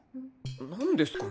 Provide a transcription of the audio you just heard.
何ですか？